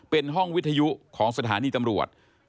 เป็นห้องวิทยุของสถานีตำรวจ